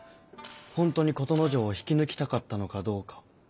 本当に琴之丞を引き抜きたかったのかどうか。